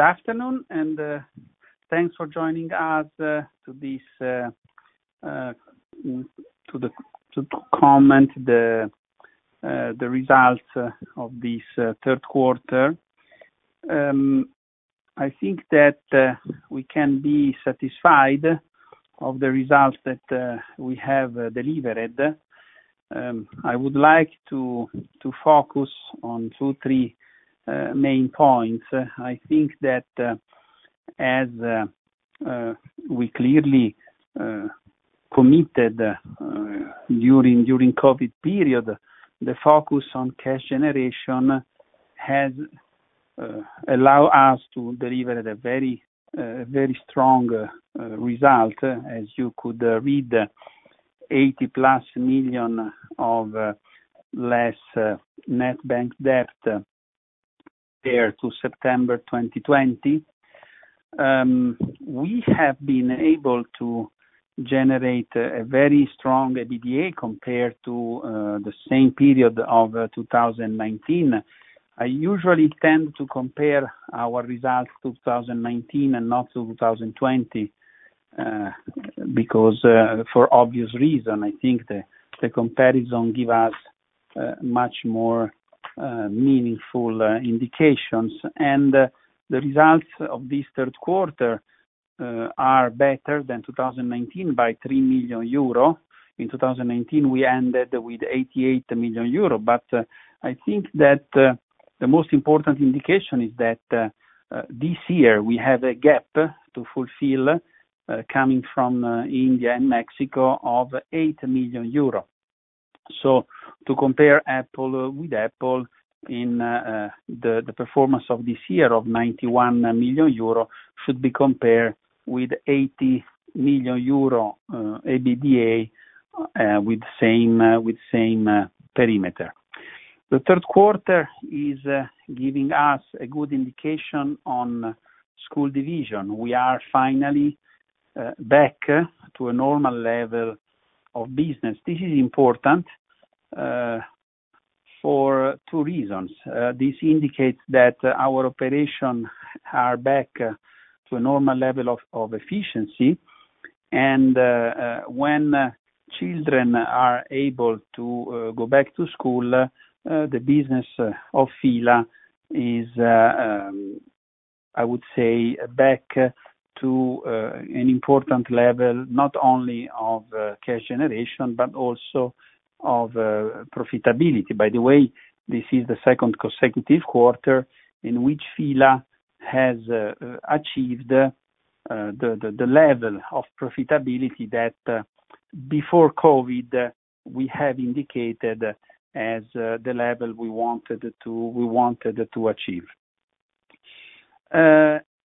Good afternoon, and thanks for joining us to comment the results of this third quarter. I think that we can be satisfied of the results that we have delivered. I would like to focus on two, three main points. I think that as we clearly committed during COVID period, the focus on cash generation has allow us to deliver the very very strong result, as you could read, 80+ million less net bank debt compared to September 2020. We have been able to generate a very strong EBITDA compared to the same period of 2019. I usually tend to compare our results to 2019 and not to 2020, because for obvious reason, I think the comparison gives us much more meaningful indications. The results of this third quarter are better than 2019 by 3 million euro. In 2019, we ended with 88 million euro. I think that the most important indication is that this year we have a gap to fulfill coming from India and Mexico of 8 million euro. To compare apple with apple in the performance of this year of 91 million euro should be compared with 80 million euro EBITDA with same perimeter. The third quarter is giving us a good indication on school division. We are finally back to a normal level of business. This is important for two reasons. This indicates that our operations are back to a normal level of efficiency. When children are able to go back to school, the business of F.I.L.A is, I would say, back to an important level, not only of cash generation, but also of profitability. By the way, this is the second consecutive quarter in which F.I.L.A has achieved the level of profitability that before COVID we have indicated as the level we wanted to achieve.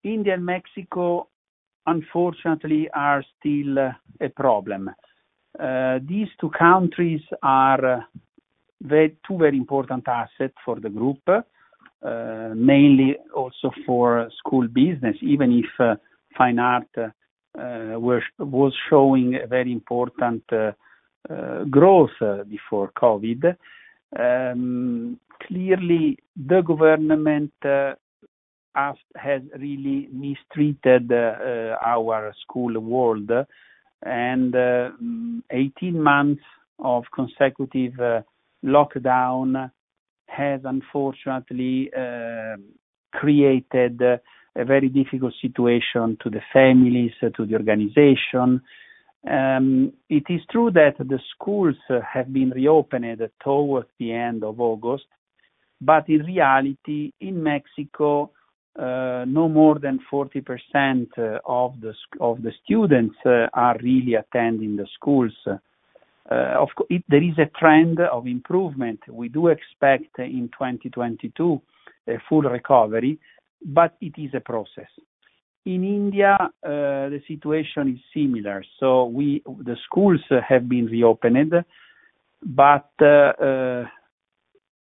India and Mexico, unfortunately, are still a problem. These two countries are two very important assets for the group, mainly also for school business, even if Fine Art was showing a very important growth before COVID. Clearly, the government has really mistreated our school world. 18 months of consecutive lockdown has unfortunately created a very difficult situation to the families, to the organization. It is true that the schools have been reopened towards the end of August, but in reality, in Mexico, no more than 40% of the students are really attending the schools. There is a trend of improvement. We do expect in 2022 a full recovery, but it is a process. In India, the situation is similar. The schools have been reopened, but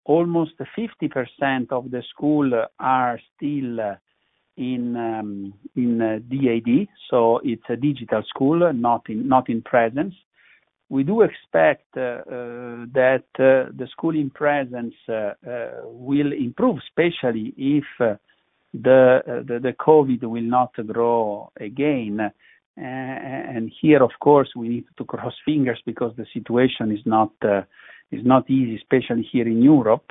almost 50% of the schools are still in DAD, so it's a digital school, not in presence. We do expect that the schools in presence will improve, especially if the COVID will not grow again. Here, of course, we need to cross fingers because the situation is not easy, especially here in Europe.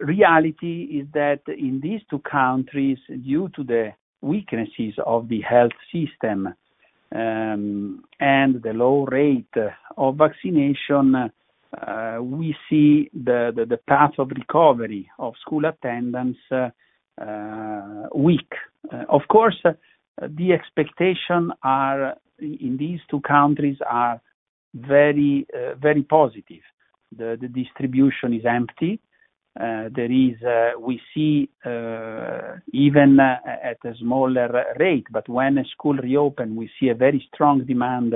Reality is that in these two countries, due to the weaknesses of the health system and the low rate of vaccination, we see the path of recovery of school attendance weak. Of course, the expectations in these two countries are very positive. The distribution is empty. There is... We see even at a smaller rate, but when schools reopen, we see a very strong demand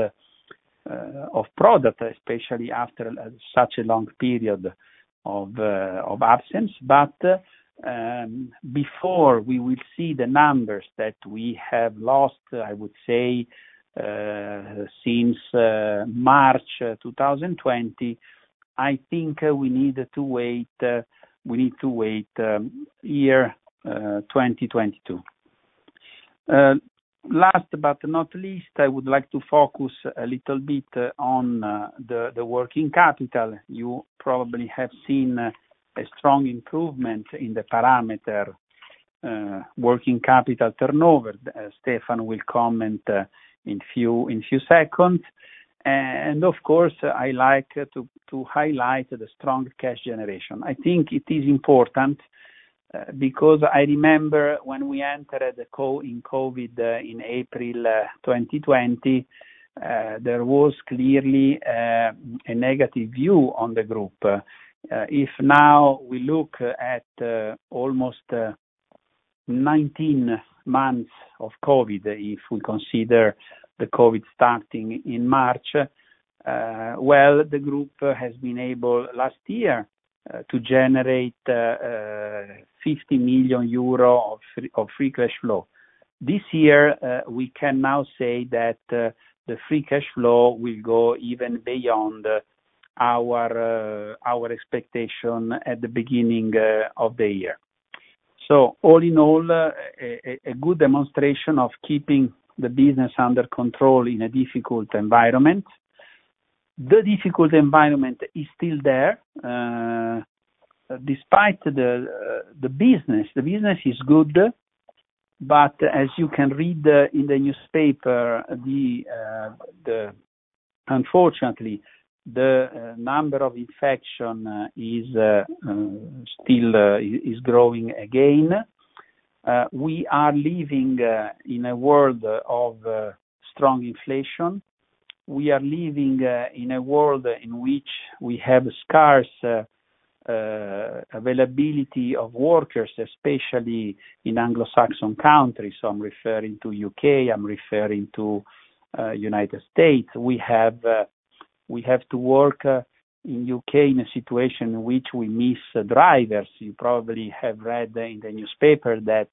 for products, especially after such a long period of absence. Before we will see the numbers that we have lost, I would say, since March 2020, I think we need to wait for 2022. Last but not least, I would like to focus a little bit on the working capital. You probably have seen a strong improvement in the parameter working capital turnover. Stefan will comment in a few seconds. Of course, I like to highlight the strong cash generation. I think it is important, because I remember when we entered the COVID in April 2020, there was clearly a negative view on the group. If now we look at almost 19 months of COVID, if we consider the COVID starting in March, well, the group has been able last year to generate 50 million euro of free cash flow. This year, we can now say that the free cash flow will go even beyond our expectation at the beginning of the year. All in all, a good demonstration of keeping the business under control in a difficult environment. The difficult environment is still there. Despite the business, the business is good, but as you can read in the newspaper, the Unfortunately, the number of infection is still growing again. We are living in a world of strong inflation. We are living in a world in which we have scarce availability of workers, especially in Anglo-Saxon countries. I'm referring to U.K. I'm referring to United States. We have to work in U.K. in a situation in which we miss drivers. You probably have read in the newspaper that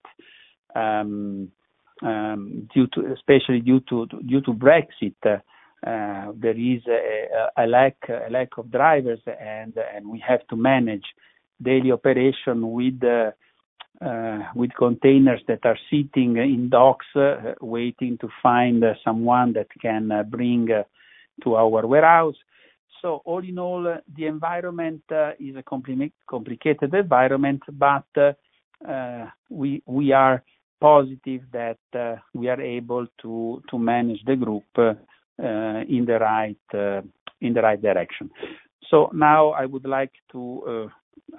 especially due to Brexit there is a lack of drivers, and we have to manage daily operation with containers that are sitting in docks waiting to find someone that can bring to our warehouse. All in all, the environment is a complicated environment, but we are positive that we are able to manage the group in the right direction. Now I would like to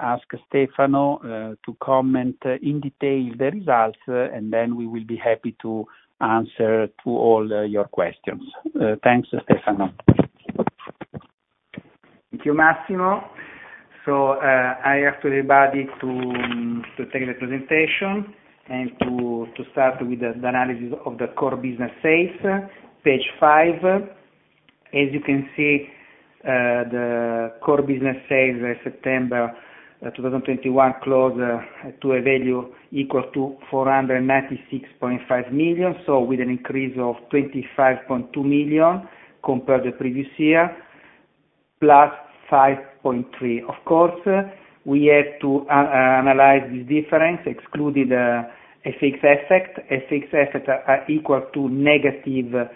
ask Stefano to comment in detail the results, and then we will be happy to answer to all your questions. Thanks, Stefano. Thank you, Massimo. I ask everybody to take the presentation and to start with the analysis of the core business sales, page five. As you can see, the core business sales September 2021 closed to a value equal to 496.5 million, so with an increase of 25.2 million compared to previous year, +5.3%. Of course, we had to analyze this difference, excluded FX effect. FX effect are equal to -17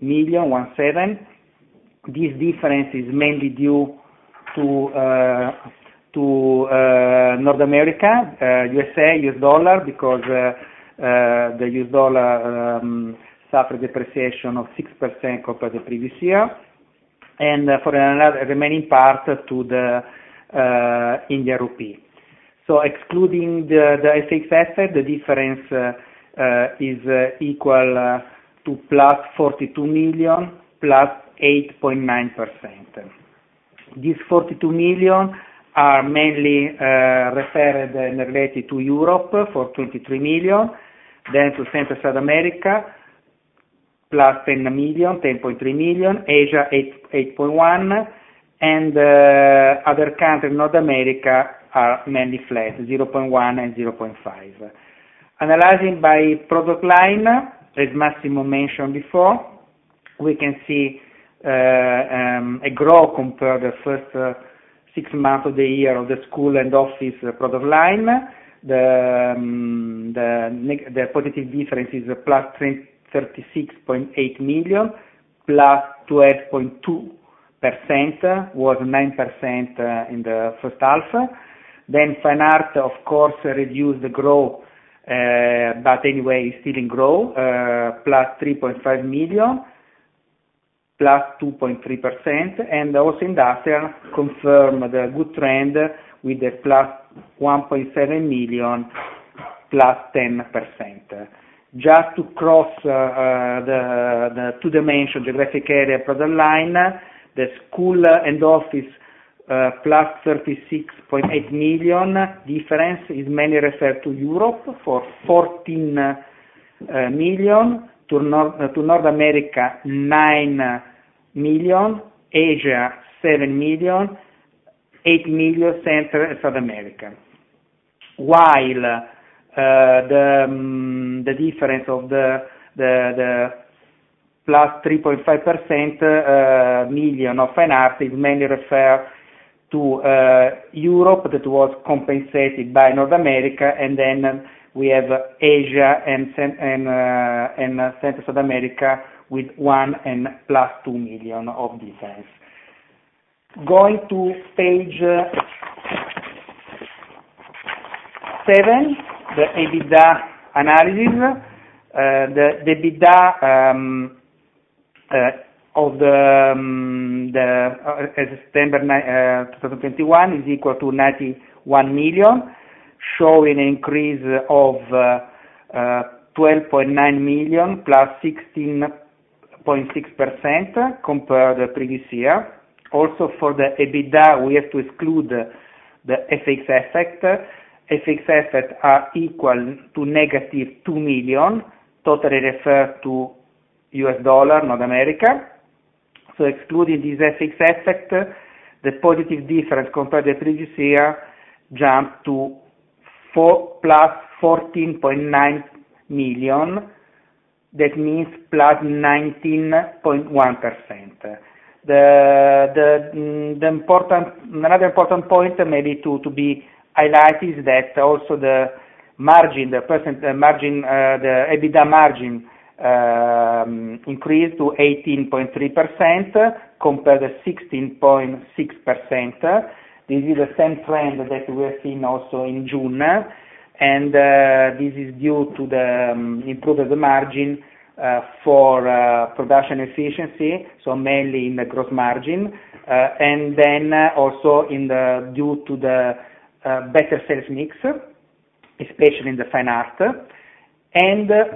million. This difference is mainly due to North America, U.S., U.S. dollar, because the U.S. dollar suffered depreciation of 6% compared to the previous year, and for another remaining part to the Indian rupee. Excluding the FX effect, the difference is equal to +42 million, +8.9%. These 42 million are mainly referred and related to Europe for 23 million. Then to Central South America, +10.3 million. Asia, 8.1. Other countries, North America, are mainly flat, 0.1 and 0.5. Analyzing by product line, as Massimo mentioned before, we can see a growth compared to first six months of the year of the school and office product line. The positive difference is +23.6 million, +12.2%, was 9% in the first half. Fine Art, of course, reduced the growth, but anyway, still in growth, plus 3.5 million, +2.3%. Industrial confirm the good trend with the plus 1.7 million, plus 10%. Just to cross the two dimension, the graphic area product line, the school and office, plus 36.8 million difference is mainly referred to Europe for 14 million, to North America, 9 million, Asia, 7 million, 8 million, Central and South America. While the difference of the +3.5% million of fine art is mainly referred to Europe that was compensated by North America, and then we have Asia and Central America with one and plus two million of difference. Going to page seven, the EBITDA analysis. The EBITDA as of September 9, 2021 is equal to 91 million, showing an increase of 12.9 million, +16.6% compared to the previous year. Also for the EBITDA, we have to exclude the FX effects. FX effects are equal to negative 2 million, totally referred to US dollar, North America. Excluding this FX effect, the positive difference compared to the previous year jumped to plus 14.9 million. That means +19.1%. Another important point maybe to be highlighted is that also the margin, the EBITDA margin increased to 18.3% compared to 16.6%. This is the same trend that we're seeing also in June. This is due to the improvement of the margin for production efficiency, so mainly in the gross margin. Then also due to the better sales mix, especially in the Fine Art.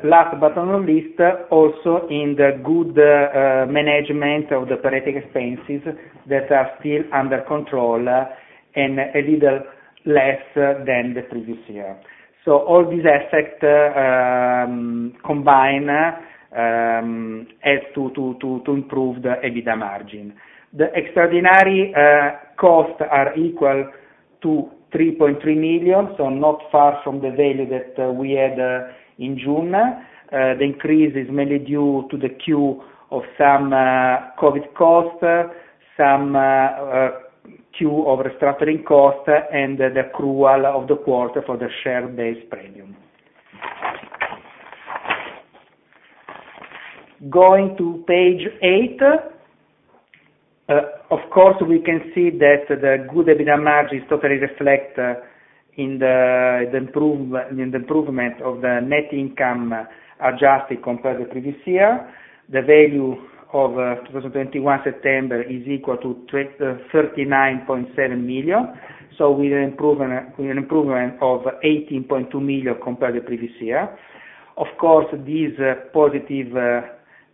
Last but not least, also in the good management of the operating expenses that are still under control and a little less than the previous year. All these effects combine to improve the EBITDA margin. The extraordinary costs are equal to 3.3 million, so not far from the value that we had in June. The increase is mainly due to the queue of some COVID costs, some queue of restructuring costs and the accrual of the quarter for the share-based payment. Going to page eight. Of course, we can see that the good EBITDA margin is totally reflected in the improvement of the net income adjusted compared to the previous year. The value of September 2021 is equal to 39.7 million. With an improvement of 18.2 million compared to the previous year. Of course, this positive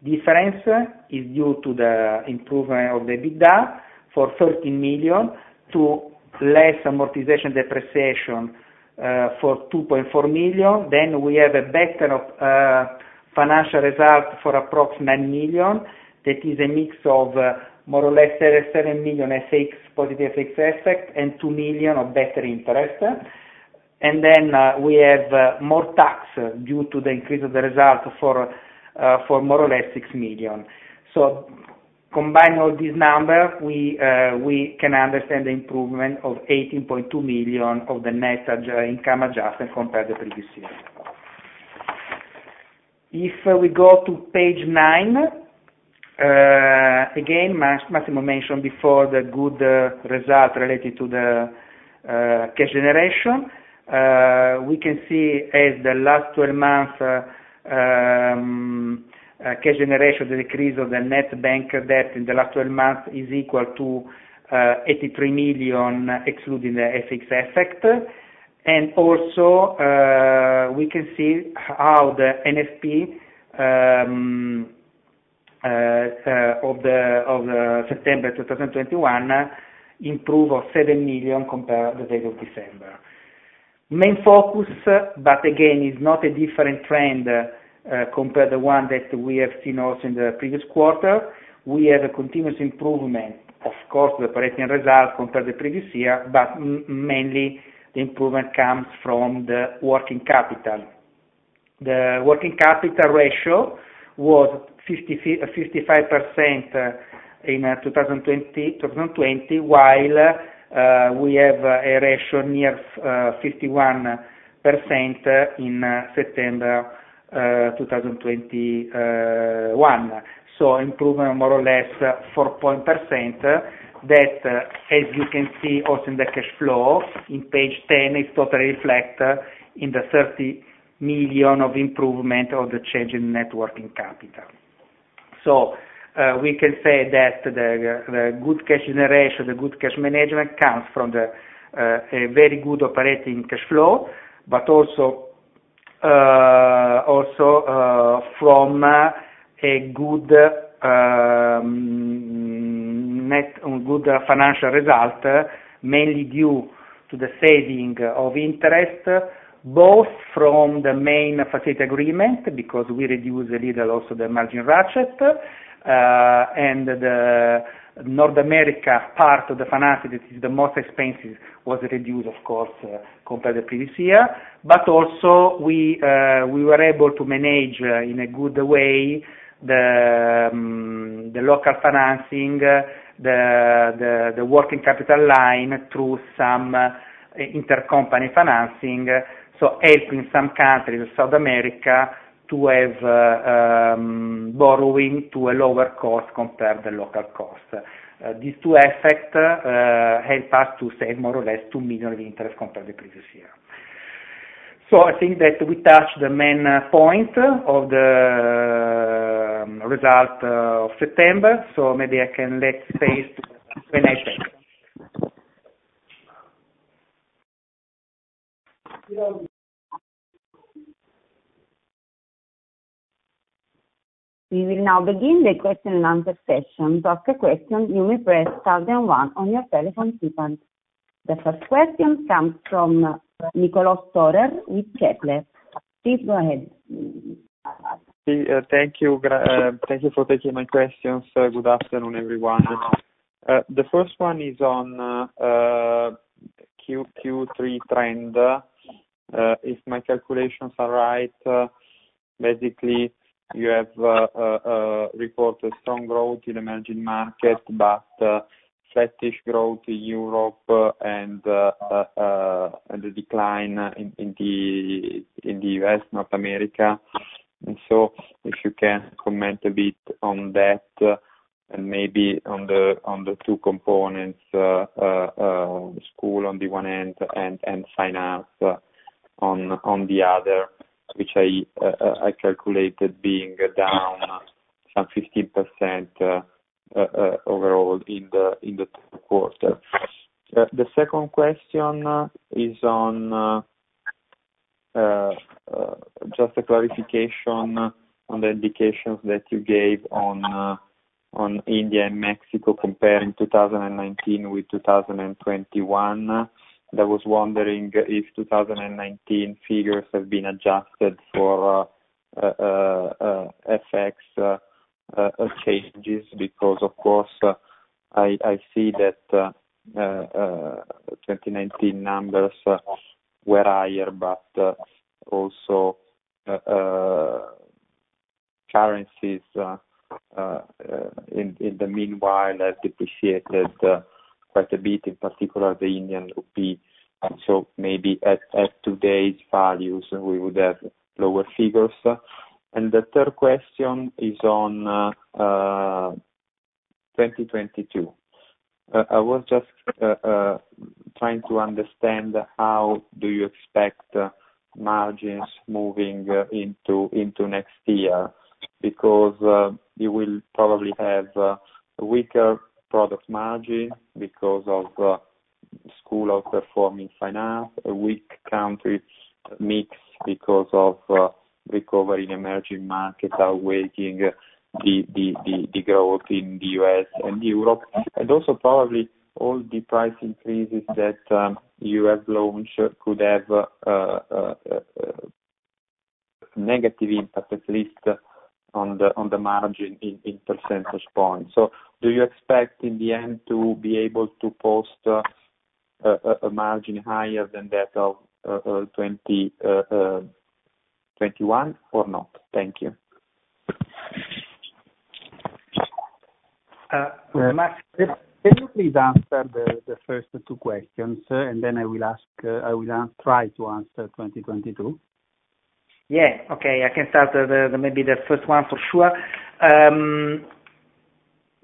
difference is due to the improvement of the EBITDA for 13 million to less amortization depreciation for 2.4 million. Then we have a better financial result for approximately 9 million. That is a mix of more or less 7 million FX, positive FX effect and 2 million of better interest. Then we have more tax due to the increase of the result for more or less 6 million. Combining all these numbers, we can understand the improvement of 18.2 million in the adjusted net income compared to the previous year. If we go to page nine. Again, Massimo mentioned before the good result related to the cash generation. We can see, as in the last twelve months, cash generation decrease of the net bank debt in the last twelve months is equal to 83 million, excluding the FX effect. Also, we can see how the NFP of the September 2021 improved by 7 million compared to the date of December. Main focus, but again, is not a different trend compared to the one that we have seen also in the previous quarter. We have a continuous improvement. Of course, the operating result compared to the previous year, but mainly the improvement comes from the working capital. The working capital ratio was 55% in 2020, while we have a ratio near 51% in September 2021. Improvement more or less 4% that, as you can see also in the cash flow in page 10, it totally reflect in the 30 million of improvement of the change in net working capital. We can say that the good cash generation, the good cash management comes from a very good operating cash flow, but also from a good net, a good financial result, mainly due to the saving of interest, both from the main facility agreement because we reduce a little also the margin ratchet, and the North America part of the financing, this is the most expensive, was reduced of course compared to previous year. We were able to manage in a good way the local financing, the working capital line through some intercompany financing. Helping some countries, South America to have borrowing to a lower cost compared to the local cost. These two effects help us to save more or less 2 million of interest compared to previous year. I think that we touched the main point of the result of September. Maybe I can let Faith finish things. We will now begin the question and answer session. To ask a question, you may press star then one on your telephone keypad. The first question comes from Niccolò Storer with Kepler Cheuvreux. Please go ahead. Thank you for taking my questions. Good afternoon, everyone. The first one is on Q3 trend. If my calculations are right, basically you have reported strong growth in emerging markets, but flattish growth in Europe and the decline in the U.S., North America. If you can comment a bit on that and maybe on the two components, school on the one end and Fine Art on the other, which I calculated being down some 15%, overall in the third quarter. The second question is on just a clarification on the indications that you gave on India and Mexico comparing 2019 with 2021. I was wondering if 2019 figures have been adjusted for FX changes because of course I see that 2019 numbers were higher, but also currencies in the meanwhile has depreciated quite a bit, in particular the Indian rupee. Maybe at today's values we would have lower figures. The third question is on 2022. I was just trying to understand how do you expect margins moving into next year? Because you will probably have weaker product margin because of school outperforming Fine Art, a weak country mix because of recovery in emerging markets outweighing the growth in the U.S. and Europe. Also probably all the price increases that you have launched could have negative impact, at least on the margin in percentage points. Do you expect in the end to be able to post a margin higher than that of 2021 or not? Thank you. Max, can you please answer the first two questions, and then I will try to answer 2022. Yeah. Okay. I can start maybe the first one for sure.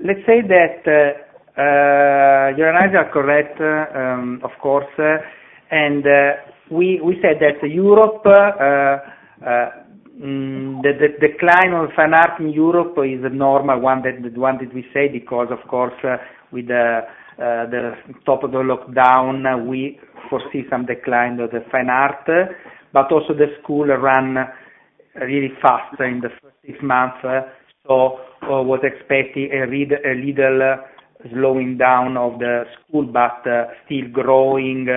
Let's say that your analysis are correct, of course, and we said that Europe, the decline of Fine Art in Europe is a normal one, the one that we said because of course with the top of the lockdown, we foresee some decline of the Fine Art. Also the school ran really fast in the first six months. I was expecting a little slowing down of the school, but still growing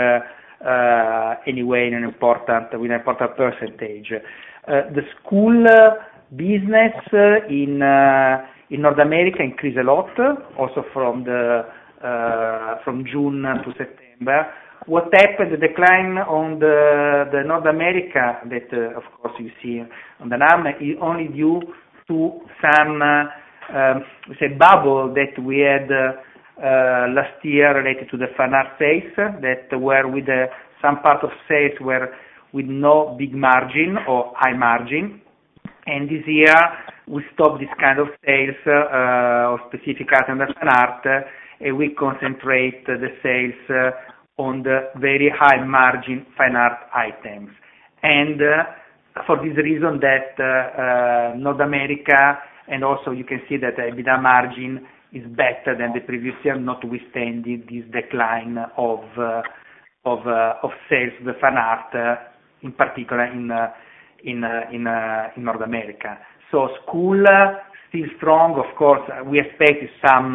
anyway in an important percentage. The school business in North America increased a lot also from June to September. What happened, the decline in the North America that of course you see on the P&L is only due to some, say, bubble that we had last year related to the Fine Art sales that were with some part of sales were with no big margin or high margin. This year we stopped this kind of sales of specific item in Fine Art, and we concentrate the sales on the very high margin Fine Art items. For this reason that North America and also you can see that the EBITDA margin is better than the previous year, notwithstanding this decline of sales, the Fine Art in particular in North America. School still strong. Of course, we expect some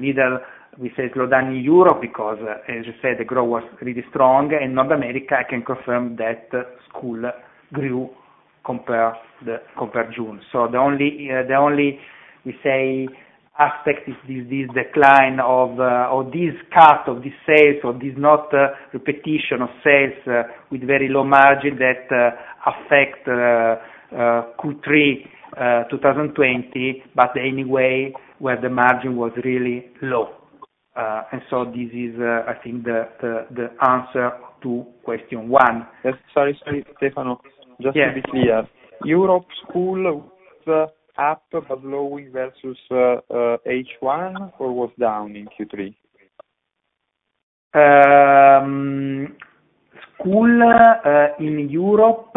little, we say, slowdown in Europe because, as you said, the growth was really strong. In North America, I can confirm that school grew compared June. The only aspect is this decline or this cut of the sales or this not repetition of sales with very low margin that affect Q3 2020. Anyway, where the margin was really low. This is, I think the answer to question one. Sorry, Stefano. Yeah. Just to be clear, European school was up but low single-digit versus H1 or was down in Q3? School in Europe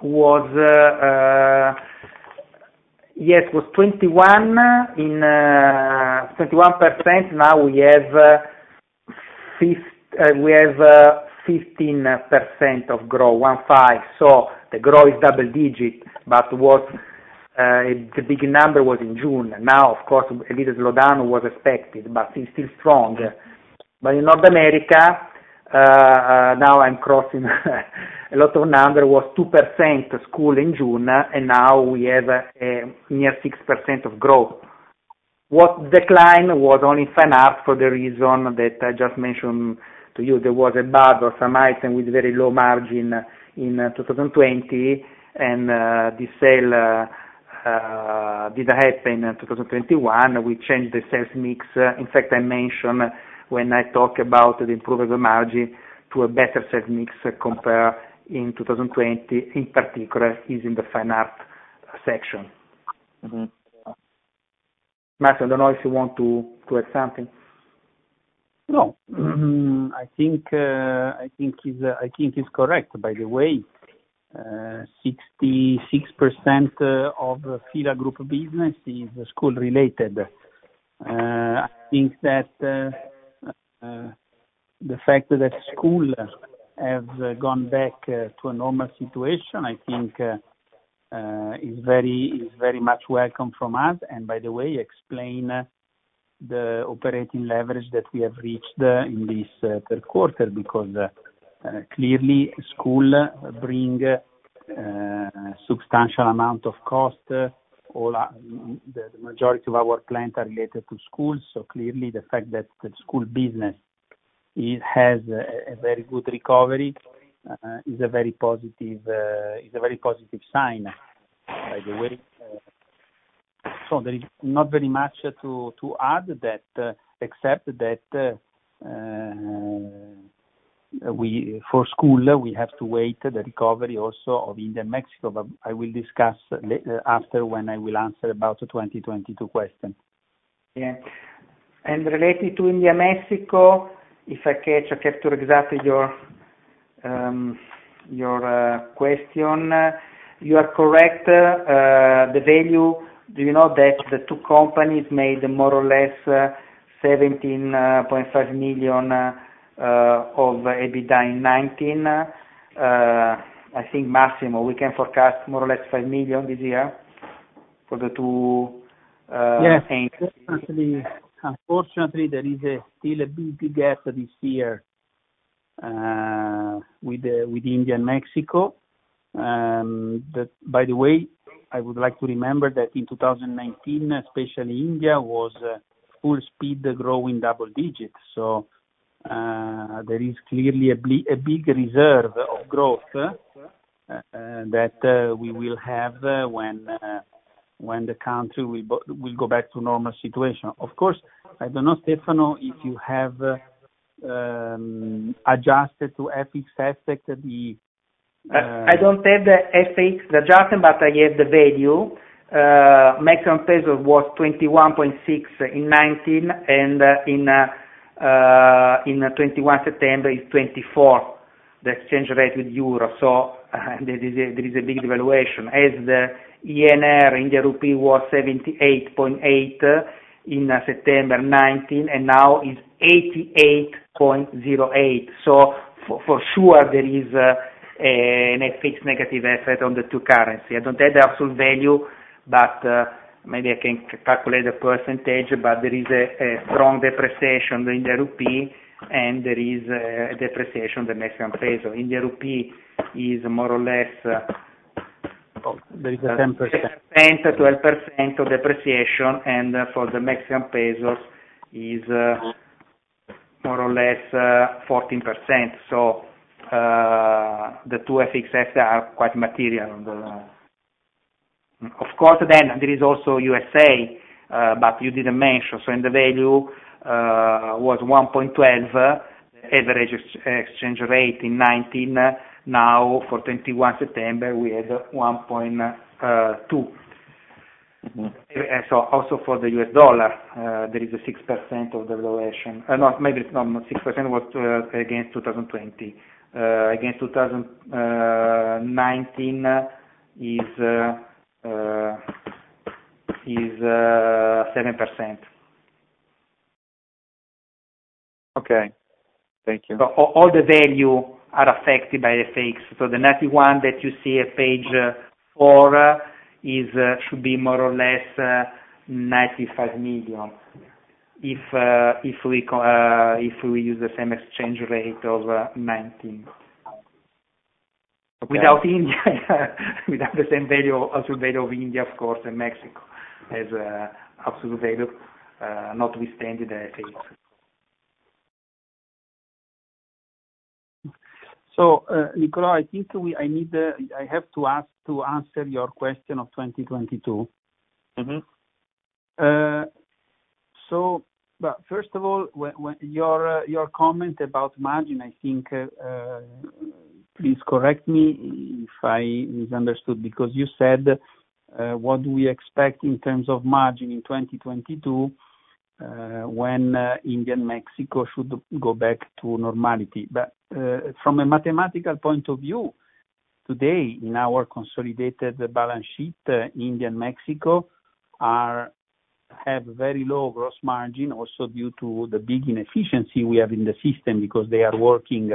was 21% in 2021. Now we have 15% of growth, 15. The growth is double digit, but the big number was in June. Now, of course, a little slowdown was expected, but it's still strong. In North America, across a lot of numbers, it was 2% school in June, and now we have near 6% of growth. The decline was only Fine Art for the reason that I just mentioned to you. There was a big item with very low margin in 2020. The sale did happen in 2021. We changed the sales mix. In fact, I mentioned when I talk about the improvement of the margin to a better sales mix compared in 2020, in particular, it's in the Fine Art section. Mm-hmm. Massimo, I don't know if you want to add something. No. I think is correct. By the way, 66% of F.I.L.A group business is school-related. I think that the fact that school have gone back to a normal situation is very much welcome from us. By the way, explain the operating leverage that we have reached in this third quarter, because clearly, school bring substantial amount of cost. The majority of our clients are related to school. Clearly, the fact that the school business has a very good recovery is a very positive sign, by the way. There is not very much to add that, except that for school, we have to wait the recovery also of India and Mexico. I will discuss after when I will answer about the 2022 question. Yeah. Related to India, Mexico, if I capture exactly your question. You are correct. The value, do you know that the two companies made more or less 17.5 million of EBITDA in 2019? I think, Massimo, we can forecast more or less 5 million this year for the two entities. Yes. Unfortunately, there is still a big gap this year with India and Mexico. By the way, I would like to remember that in 2019, especially India, was full speed growing double digits. There is clearly a big reserve of growth that we will have when the country will go back to normal situation. Of course, I don't know, Stefano, if you have adjusted to FX aspect, the I don't have the FX, the adjustment, but I have the value. Mexican peso was 21.6 in 2019, and in September 2021 is 24, the exchange rate with euro. So there is a big devaluation. As the INR, Indian rupee, was 78.8 in September 2019, and now is 88.08. So for sure, there is a net FX negative effect on the two currencies. I don't have the absolute value, but maybe I can calculate the percentage. But there is a strong depreciation in the rupee, and there is a depreciation in the Mexican peso. Indian rupee is more or less. There is a 10%. 10%-12% of depreciation, and for the Mexican peso is more or less 14%. The two FX effects are quite material on the results. Of course then there is also USD, but you didn't mention. The value was 1.12 average FX exchange rate in 2019. Now for September 2021, we had 1.2. Mm-hmm. Also for the U.S. dollar, there is a 6% of the valuation. No, maybe it's not 6%. Against 2020. Against 2019 is 7%. Okay. Thank you. All the value are affected by the FX. The 91 that you see at page four should be more or less 95 million. If we use the same exchange rate of 2019. Okay. Without India, without the same value, absolute value of India, of course, and Mexico as absolute value, notwithstanding the FX. Nicolò, I think I have to ask to answer your question of 2022. Mm-hmm. First of all, when Your comment about margin, I think, please correct me if I misunderstood because you said, what do we expect in terms of margin in 2022, when India and Mexico should go back to normality. From a mathematical point of view, today in our consolidated balance sheet, India and Mexico have very low gross margin also due to the big inefficiency we have in the system because they are working.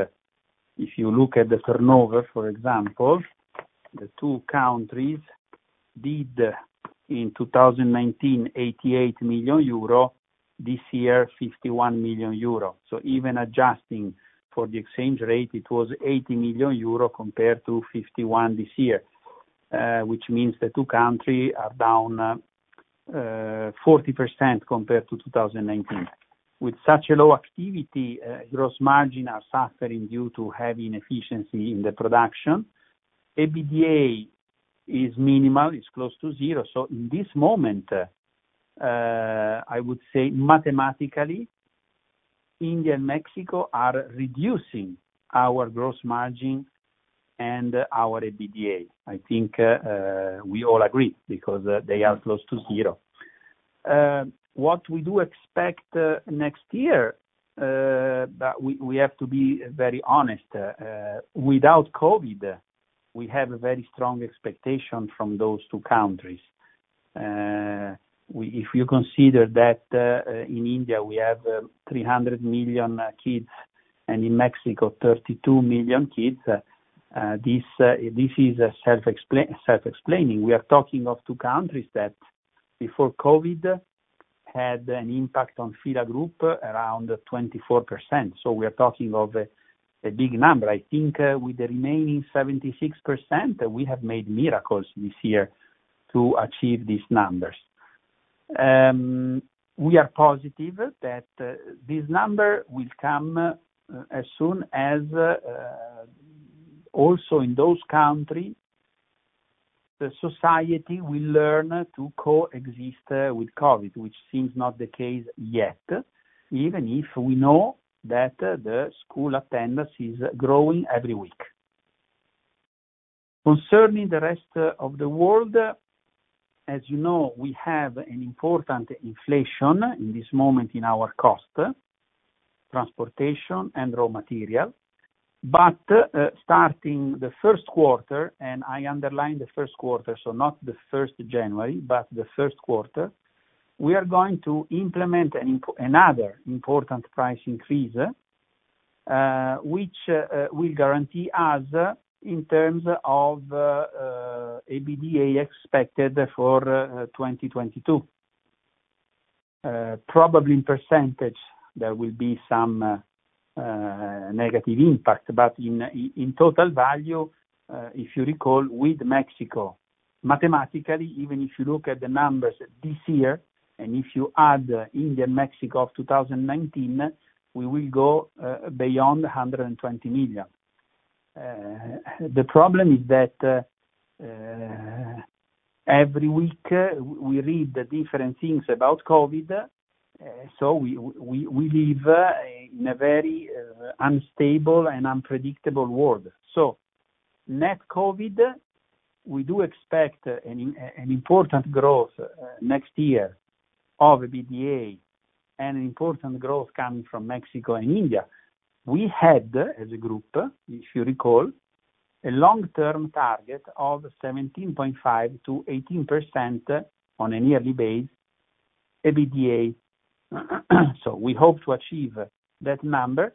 If you look at the turnover, for example, the two countries did, in 2019, 88 million euro, this year, 51 million euro. So even adjusting for the exchange rate, it was 80 million euro compared to 51 million this year, which means the two countries are down 40% compared to 2019. With such a low activity, gross margin are suffering due to heavy inefficiency in the production. EBITDA is minimal, it's close to zero. In this moment, I would say mathematically, India and Mexico are reducing our gross margin and our EBITDA. I think, we all agree because they are close to zero. What we do expect next year, but we have to be very honest, without COVID, we have a very strong expectation from those two countries. If you consider that, in India we have 300 million kids and in Mexico 32 million kids, this is self-explaining. We are talking of two countries that before COVID had an impact on F.I.L.A group around 24%. We are talking of a big number. I think, with the remaining 76%, we have made miracles this year to achieve these numbers. We are positive that this number will come as soon as also in those countries, the society will learn to coexist with COVID, which seems not the case yet, even if we know that the school attendance is growing every week. Concerning the rest of the world, as you know, we have an important inflation in this moment in our cost, transportation and raw material. Starting the first quarter, and I underline the first quarter, so not the first January, but the first quarter, we are going to implement another important price increase, which will guarantee us in terms of EBITDA expected for 2022. Probably in percentage, there will be some negative impact. In total value, if you recall with Mexico, mathematically, even if you look at the numbers this year, and if you add India and Mexico of 2019, we will go beyond 120 million. The problem is that every week we read different things about COVID, so we live in a very unstable and unpredictable world. Net COVID, we do expect an important growth next year of EBITDA and an important growth coming from Mexico and India. We had, as a group, if you recall, a long-term target of 17.5%-18% on a yearly basis EBITDA. We hope to achieve that number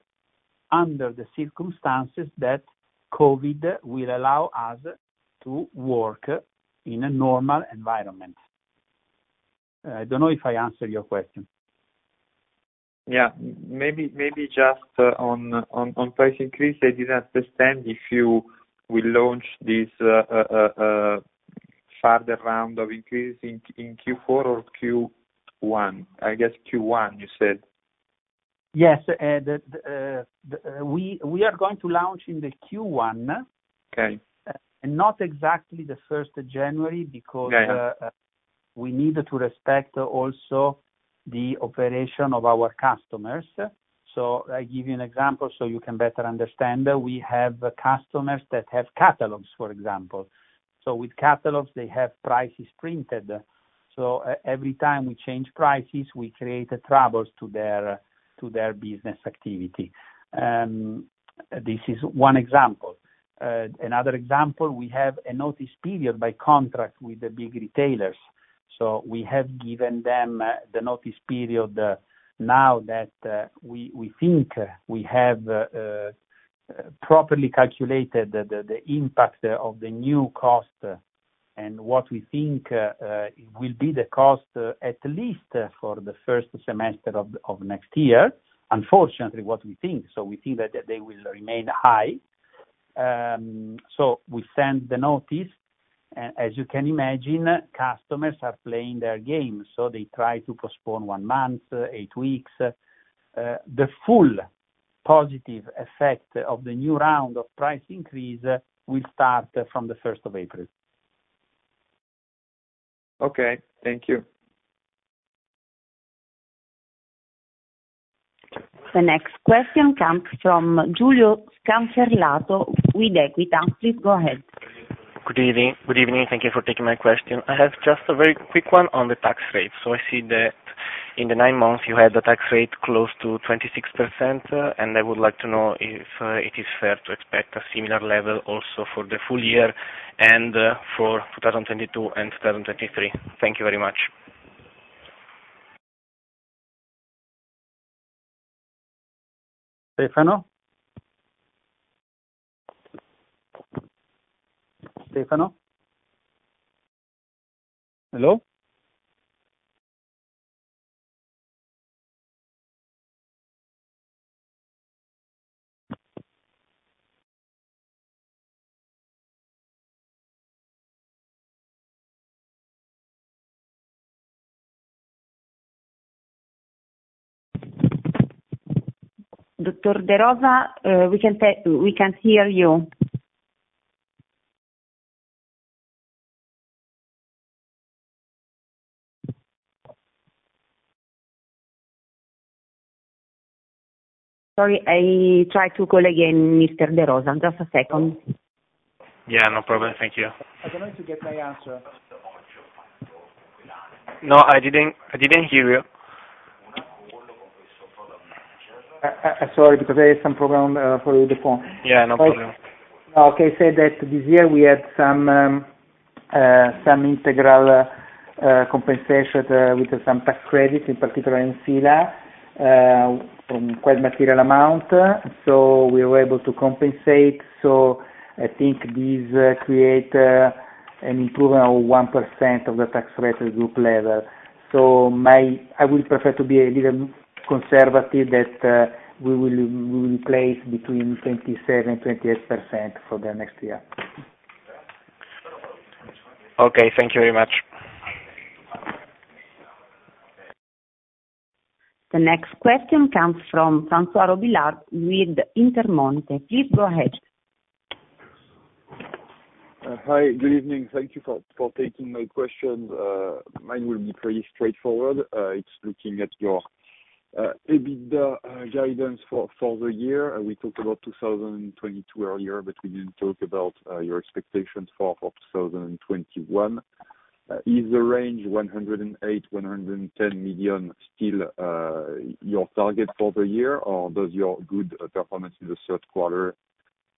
under the circumstances that COVID will allow us to work in a normal environment. I don't know if I answered your question. Yeah. Maybe just on price increase, I didn't understand if you will launch this further round of increase in Q4 or Q1. I guess Q1, you said. Yes. We are going to launch in Q1. Okay. Not exactly the first of January because. Got it. We need to respect also the operation of our customers. I give you an example so you can better understand. We have customers that have catalogs, for example. With catalogs, they have prices printed. Every time we change prices, we create troubles to their business activity. This is one example. Another example, we have a notice period by contract with the big retailers. We have given them the notice period now that we think we have properly calculated the impact of the new cost, and what we think will be the cost at least for the first semester of next year. Unfortunately, we think that they will remain high. We send the notice. As you can imagine, customers are playing their game, so they try to postpone one month, eight weeks. The full positive effect of the new round of price increase will start from the first of April. Okay. Thank you. The next question comes from Giulio Scanferlato with Equita. Please go ahead. Good evening. Thank you for taking my question. I have just a very quick one on the tax rate. I see that in the nine months, you had the tax rate close to 26%. I would like to know if it is fair to expect a similar level also for the full year and for 2022 and 2023. Thank you very much. Stefano? Hello? Dr. De Rosa, we can't hear you. Sorry, I try to call again, Mr. De Rosa. Just a second. Yeah, no problem. Thank you. I don't want to get my answer. No, I didn't hear you. Sorry, because there is some problem for the phone. Yeah, no problem. Okay. Say that this year we had some integral compensation with some tax credits, in particular in Sila, from quite material amount. We were able to compensate. I think this create an improvement of 1% of the tax rate at group level. I would prefer to be a little conservative that we will place between 27% and 28% for the next year. Okay, thank you very much. The next question comes from François Robillard with Intermonte. Please go ahead. Hi, good evening. Thank you for taking my question. Mine will be pretty straightforward. It's looking at your EBITDA guidance for the year. We talked about 2022 earlier, but we didn't talk about your expectations for 2021. Is the range 108 million-110 million still your target for the year? Or does your good performance in the third quarter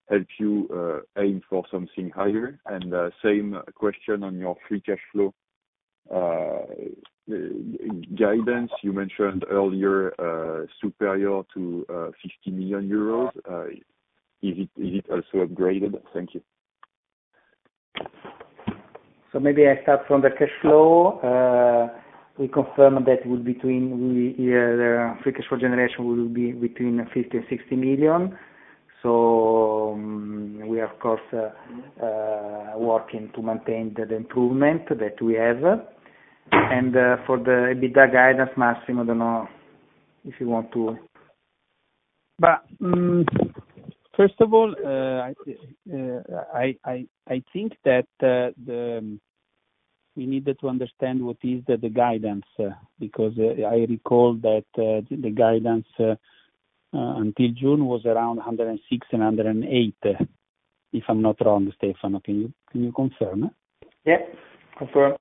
help you aim for something higher? Same question on your free cash flow guidance. You mentioned earlier superior to 50 million euros. Is it also upgraded? Thank you. Maybe I start from the cash flow. We confirm that the free cash flow generation will be between 50 million and 60 million. We of course working to maintain the improvement that we have. For the EBITDA guidance, Massimo, I don't know if you want to. First of all, I think that we needed to understand what is the guidance because I recall that the guidance until June was around 106 million and 108 million, if I'm not wrong. Stefano, can you confirm? Yeah, confirm.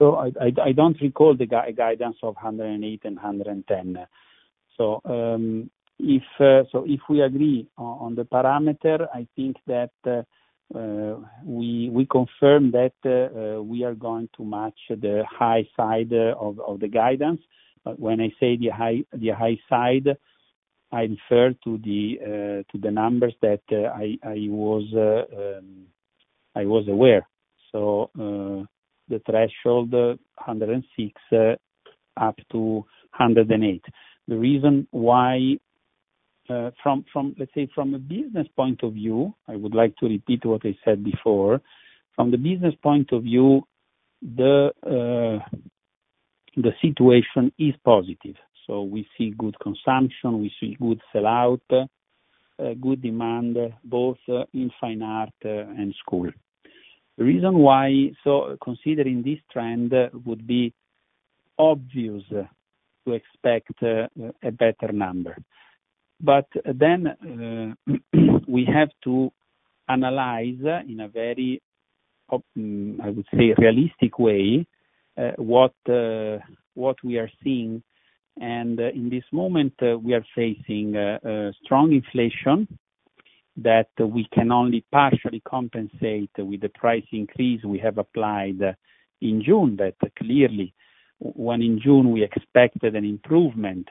I don't recall the guidance of 108 million and 110 million. If we agree on the parameter, I think that we confirm that we are going to match the high side of the guidance. When I say the high side, I refer to the numbers that I was aware. The threshold 106 up to 108. The reason why, from a business point of view, I would like to repeat what I said before. From the business point of view, the situation is positive. We see good consumption, we see good sell-out, good demand both in Fine Art and school. The reason why, considering this trend, would be obvious to expect a better number. We have to analyze in a very realistic way what we are seeing. In this moment we are facing a strong inflation that we can only partially compensate with the price increase we have applied in June. That clearly, when in June we expected an improvement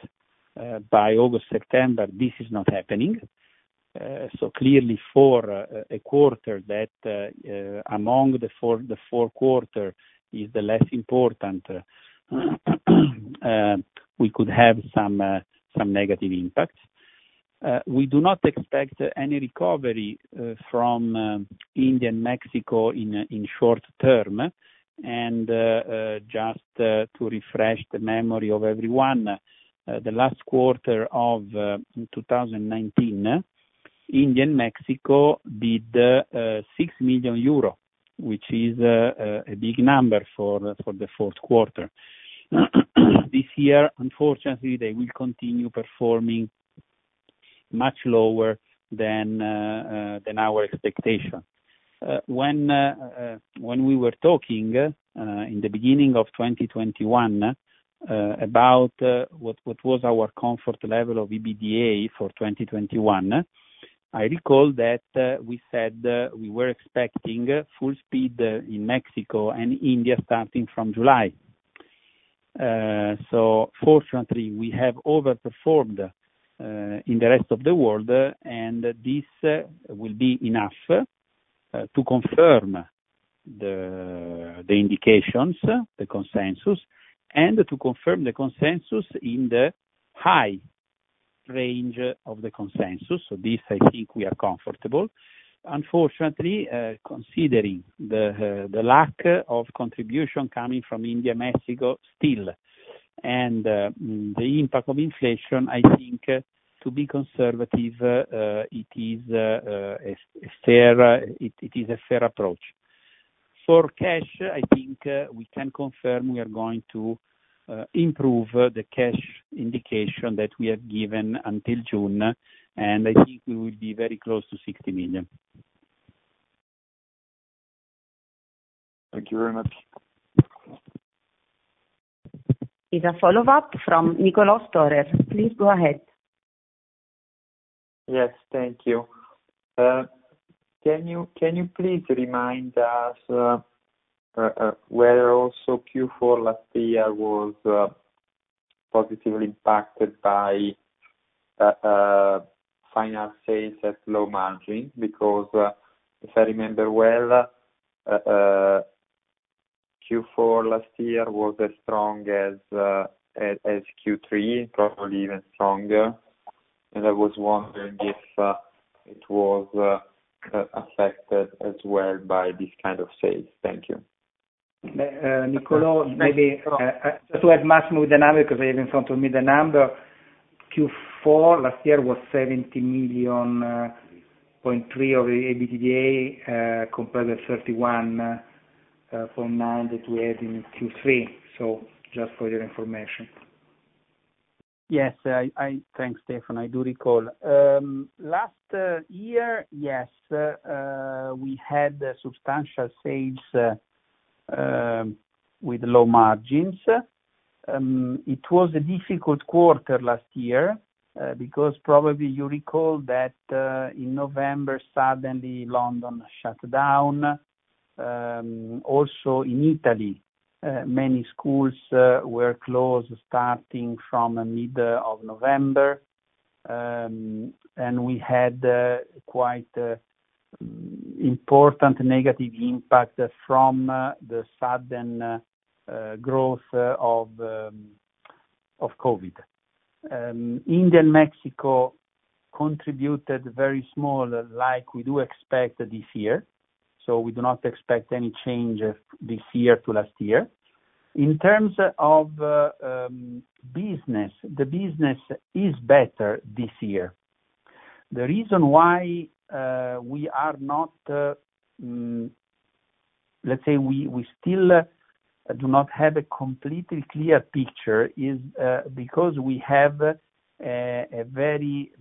by August, September, this is not happening. Clearly for a quarter that, among the four, the fourth quarter is the less important, we could have some negative impacts. We do not expect any recovery from India and Mexico in short term. Just to refresh the memory of everyone, the last quarter of 2019, India and Mexico did 6 million euro, which is a big number for the fourth quarter. This year, unfortunately, they will continue performing much lower than our expectation. When we were talking in the beginning of 2021 about what was our comfort level of EBITDA for 2021, I recall that we said we were expecting full speed in Mexico and India starting from July. Fortunately, we have overperformed in the rest of the world, and this will be enough to confirm the indications, the consensus, and to confirm the consensus in the high range of the consensus. This, I think, we are comfortable. Unfortunately, considering the lack of contribution coming from India, Mexico still, and the impact of inflation, I think to be conservative, it is a fair approach. For cash, I think we can confirm we are going to improve the cash indication that we have given until June, and I think we will be very close to 60 million. Thank you very much. is a follow-up from Niccolò Storer. Please go ahead. Yes. Thank you. Can you please remind us whether also Q4 last year was positively impacted by final sales at low margin? Because if I remember well, Q4 last year was as strong as Q3, probably even stronger. I was wondering if it was affected as well by this kind of sales. Thank you. Niccolò, maybe just to have maximum clarity, because I even want to meet the number. Q4 last year was 70.3 million of the EBITDA compared to 31.9 million that we had in Q3. Just for your information. Yes. Thanks, Stefano. I do recall. Last year, yes, we had substantial sales with low margins. It was a difficult quarter last year, because probably you recall that, in November, suddenly London shut down. Also in Italy, many schools were closed starting from mid of November. And we had quite important negative impact from the sudden growth of COVID. India and Mexico contributed very small, like we do expect this year. We do not expect any change this year to last year. In terms of business, the business is better this year. The reason why we are not, let's say, we still do not have a completely clear picture is because we have a very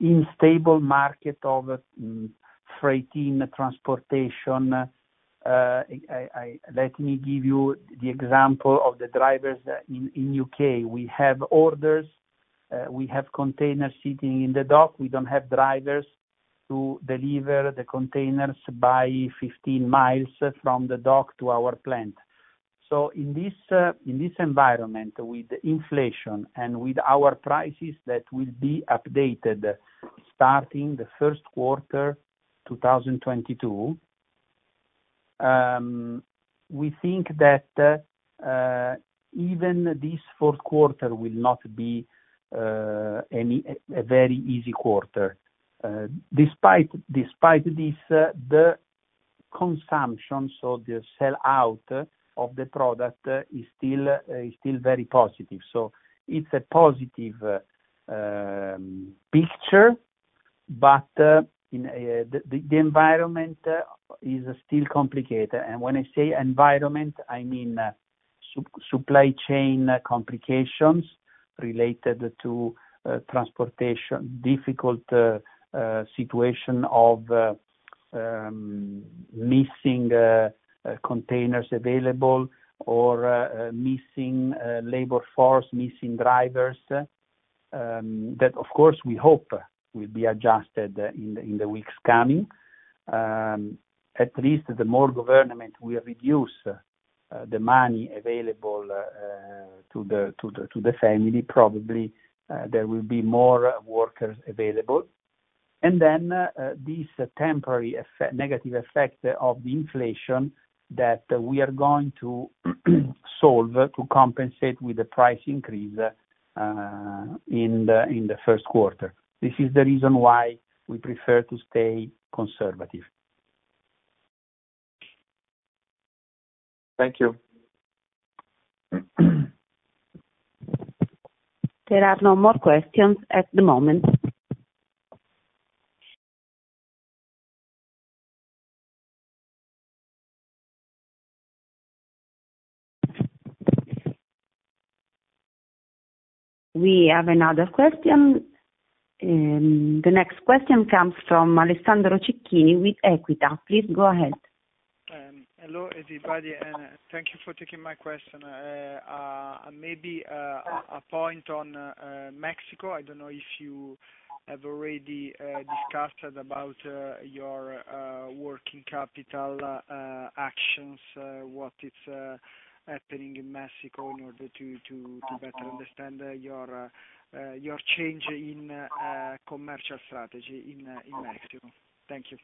unstable market of freight transportation. Let me give you the example of the drivers in the U.K. We have orders, we have containers sitting in the dock. We don't have drivers to deliver the containers by 15 mi from the dock to our plant. In this environment, with inflation and with our prices that will be updated starting the first quarter 2022, we think that even this fourth quarter will not be a very easy quarter. Despite this, the consumption, so the sellout of the product is still very positive. It's a positive picture, but the environment is still complicated. When I say environment, I mean supply chain complications related to transportation, difficult situation of missing containers available or missing labor force, missing drivers, that of course we hope will be adjusted in the weeks coming. At least the more the government will reduce the money available to the family, probably there will be more workers available. This temporary effect, negative effect of the inflation that we are going to solve to compensate with the price increase in the first quarter. This is the reason why we prefer to stay conservative. Thank you. There are no more questions at the moment. We have another question. The next question comes from Alessandro Cecchini with Equita. Please go ahead. Hello, everybody, and thank you for taking my question. Maybe a point on Mexico. I don't know if you have already discussed about your working capital actions, what it's happening in Mexico in order to better understand your change in commercial strategy in Mexico. Thank you.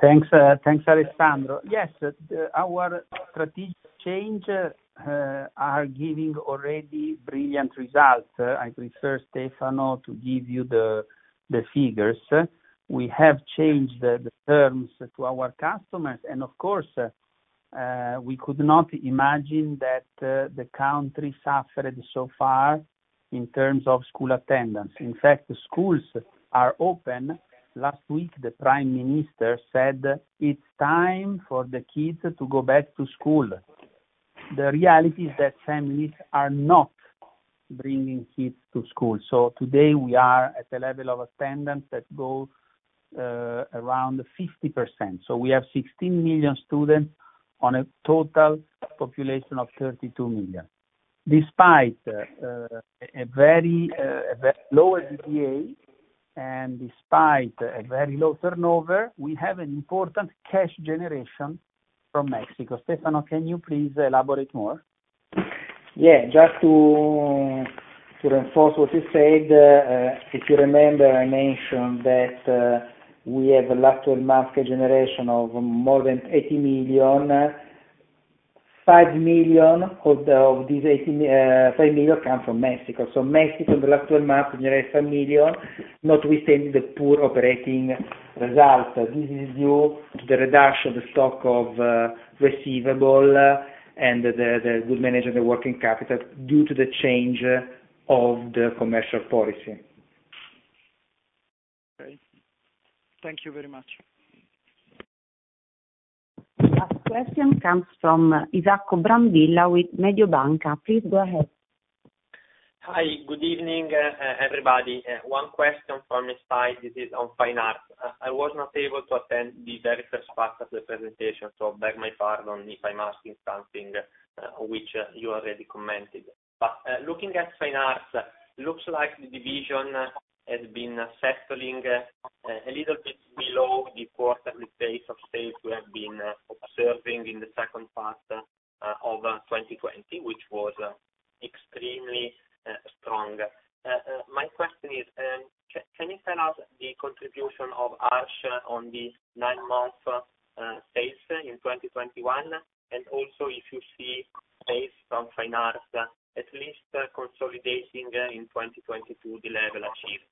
Thanks. Thanks, Alessandro. Yes, our strategic change are giving already brilliant results. I prefer Stefano to give you the figures. We have changed the terms to our customers. Of course, we could not imagine that the country suffered so far in terms of school attendance. In fact, schools are open. Last week, the prime minister said, "It's time for the kids to go back to school." The reality is that families are not bringing kids to school. Today we are at a level of attendance that goes around 50%. We have 16 million students on a total population of 32 million. Despite a very low GPA, and despite a very low turnover, we have an important cash generation from Mexico. Stefano, can you please elaborate more? Yeah. Just to reinforce what he said, if you remember, I mentioned that we have a last twelve-month generation of more than 80 million. 5 million of these 85, 5 million come from Mexico. Mexico in the last twelve months generated 5 million, notwithstanding the poor operating results. This is due to the reduction of the stock of receivables and the good management of working capital due to the change of the commercial policy. Okay. Thank you very much. Last question comes from Isacco Brambilla with Mediobanca. Please go ahead. Hi. Good evening, everybody. One question from inside. This is on Fine Arts. I was not able to attend the very first part of the presentation, so beg my pardon if I'm asking something which you already commented. Looking at Fine Arts, looks like the division has been settling a little bit below the quarterly pace of sales we have been observing in the second part of 2020, which was extremely strong. My question is, can you tell us the contribution of Arches on the nine-month sales in 2021? And also if you see sales from Fine Arts at least consolidating in 2022 the level achieved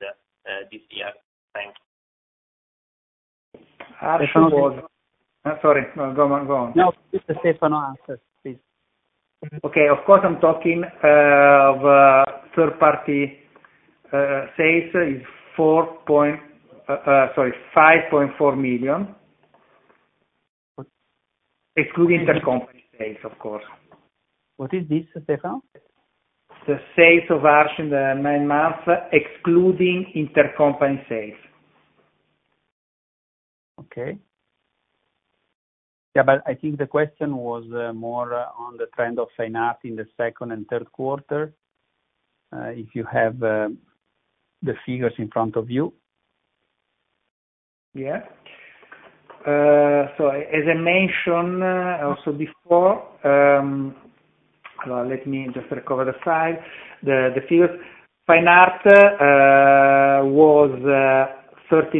this year. Thanks. Arches was Stefano. Sorry. No, go on. No, just Stefano answers, please. Of course, I'm talking of third-party sales is 5.4 million, excluding intercompany sales, of course. What is this, Stefano? The sales of Arches in the nine months, excluding intercompany sales. Okay. Yeah, but I think the question was more on the trend of Fine Arts in the second and third quarter, if you have the figures in front of you. Yeah. As I mentioned also before, let me just recover the slide. The figures, Fine Arts was 13%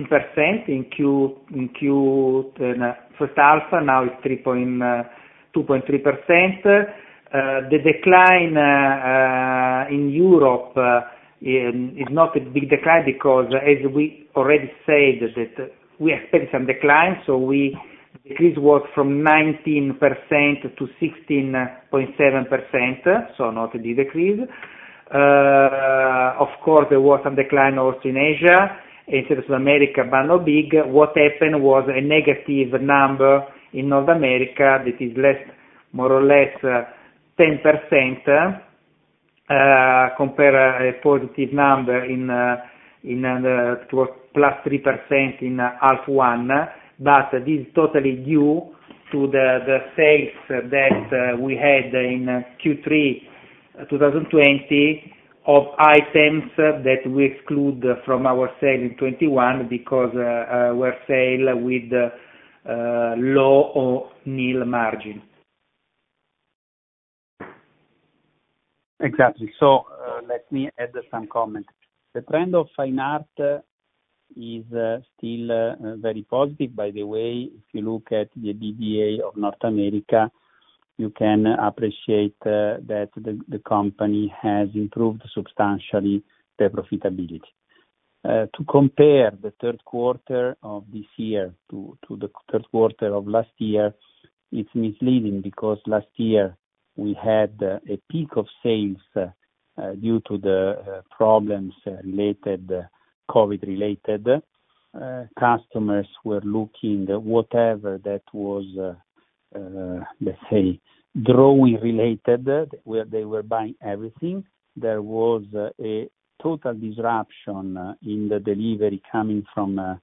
in the first half. Now it's 2.3%. The decline in Europe is not a big decline because as we already said that we expect some decline, so we decrease what? From 19% to 16.7%, so not a big decrease. Of course, there was some decline also in Asia, in South America, but not big. What happened was a negative number in North America that is more or less 10%. Compared to a positive number toward +3% in H1. This is totally due to the sales that we had in Q3 2020 of items that we exclude from our sales in 2021 because they were sales with low or nil margin. Exactly. Let me add some comment. The trend of Fine Art is still very positive. By the way, if you look at the EBITDA of North America, you can appreciate that the company has improved substantially the profitability. To compare the third quarter of this year to the third quarter of last year, it's misleading because last year we had a peak of sales due to the problems related to COVID. Customers were looking whatever that was, let's say, drawing-related, where they were buying everything. There was a total disruption in the delivery coming from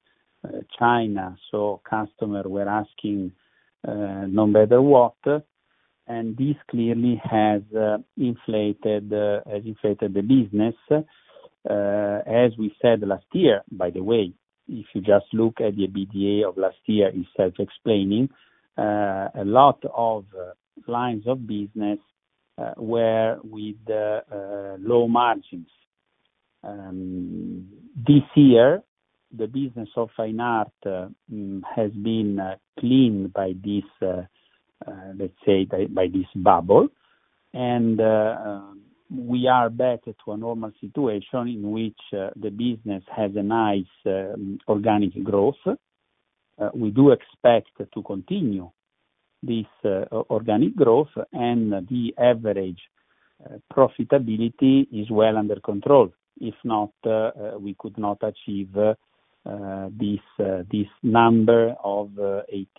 China, so customers were asking no matter what. This clearly has inflated the business. As we said last year, by the way, if you just look at the EBITDA of last year, it starts explaining a lot of lines of business were with low margins. This year, the business of Fine Art has been cleaned by this, let's say by this bubble. We are back to a normal situation in which the business has a nice organic growth. We do expect to continue this organic growth, and the average profitability is well under control. If not, we could not achieve this number of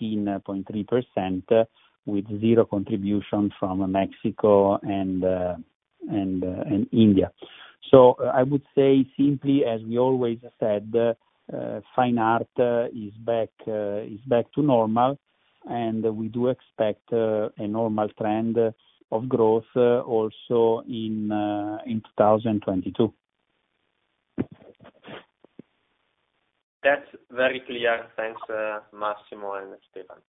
18.3% with zero contribution from Mexico and India. I would say simply, as we always said, Fine Art is back to normal, and we do expect a normal trend of growth also in 2022. That's very clear. Thanks, Massimo and Stefano.